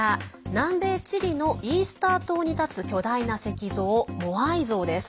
南米チリのイースター島に立つ巨大な石像、モアイ像です。